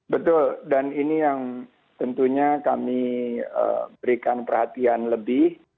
betul dan ini yang tentunya kami berikan perhatian lebih